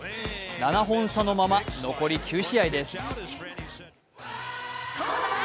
７本差のまま残り９試合です。